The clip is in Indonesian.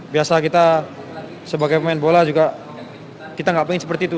biasa kita sebagai pemain bola juga kita nggak pengen seperti itu